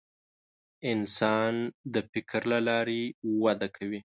انسان د فکر له لارې وده کوي.